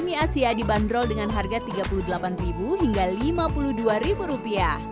mie asia dibanderol dengan harga rp tiga puluh delapan hingga rp lima puluh dua